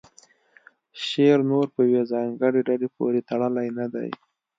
شعر نور په یوې ځانګړې ډلې پورې تړلی نه و